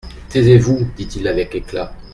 Taisez-vous, dit-il avec éclat.